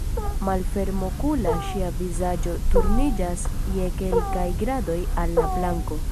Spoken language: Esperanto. Malfermokula, ŝia vizaĝo turniĝas je kelkaj gradoj al la planko.